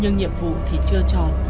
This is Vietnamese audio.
nhưng nhiệm vụ thì chưa tròn